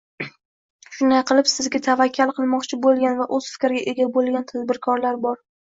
Shunday qilib, sizda tavakkal qilmoqchi boʻlgan va oʻz fikriga ega boʻlgan tadbirkorlar bor